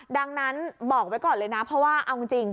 ดังนั้นบอกไว้ก่อนเลยนะเพราะว่าเอาจริง